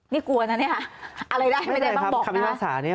ไม่ได้ครับคำพิพากษานี้